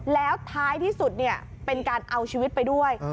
แล้วท้ายที่สุดเป็นการเอาชีวิตไปด้วย